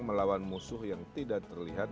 melawan musuh yang tidak terlihat